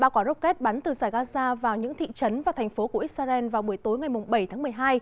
ba quả rocket bắn từ giải gaza vào những thị trấn và thành phố của israel vào buổi tối ngày bảy tháng một mươi hai